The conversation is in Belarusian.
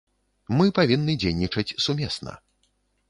Мы павінны дзейнічаць сумесна.